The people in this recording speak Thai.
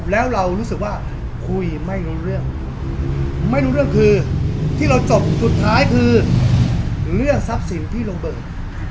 แล้วเรารู้สึกว่าคุยไม่รู้เรื่องไม่รู้เรื่องคือที่เราจบสุดท้ายคือเรื่องทรัพย์สินพี่โรเบิร์ต